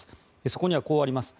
そこにはこうあります。